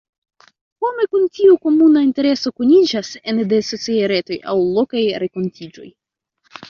Homoj kun tiu komuna intereso kuniĝas ene de sociaj retoj aŭ lokaj renkontiĝoj.